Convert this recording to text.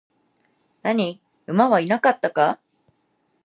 何、馬はいなかったか?